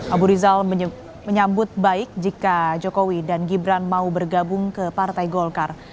abu rizal menyambut baik jika jokowi dan gibran mau bergabung ke partai golkar